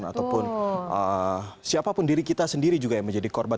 ataupun siapapun diri kita sendiri juga yang menjadi korban